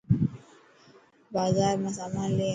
بازار مان سامان لي آ.